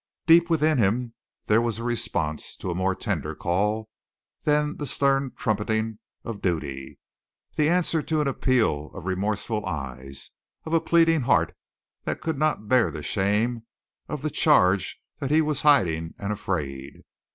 Deep within him there was a response to a more tender call than the stern trumpeting of duty the answer to an appeal of remorseful eyes, of a pleading heart that could not bear the shame of the charge that he was hiding and afraid.